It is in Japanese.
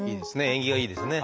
縁起がいいですね。